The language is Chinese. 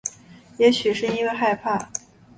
也许是因为害怕